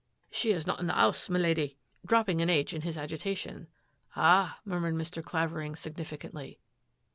"" She IS not in the 'ouse, my Lady," dropping an " h " in his agitation. Ah !*' murmured Mr. Clavering significantly.